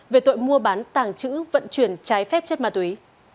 về tội mua bán tàng trữ vận chuyển trái phép chất ma túy